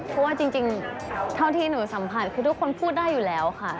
เพราะว่าจริงเท่าที่หนูสัมผัสคือทุกคนพูดได้อยู่แล้วค่ะ